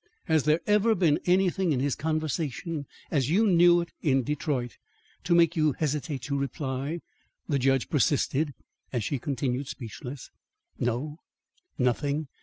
"Has there ever been anything in his conversation as you knew it in Detroit to make you hesitate to reply?" the judge persisted, as she continued speechless. "No; nothing.